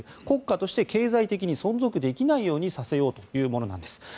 国家として経済的に存続できないようにさせるというものです。